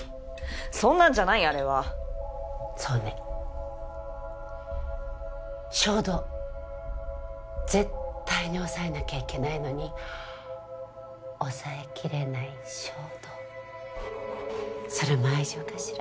そんなんじゃないあれはそうね衝動絶対に抑えなきゃいけないのに抑えきれない衝動それも愛情かしら？